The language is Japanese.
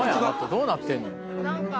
どうなってんねん？